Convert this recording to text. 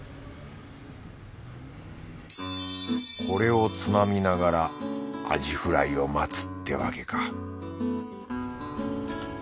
これをつまみながらアジフライを待つってわけか